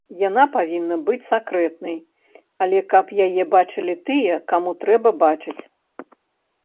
Яна павінна быць сакрэтнай, але, каб яе бачылі тыя, каму трэба бачыць.